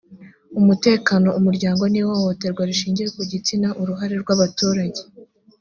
umutekano umuryango n ihohoterwa rishingiye ku gitsina uruhare rw abaturage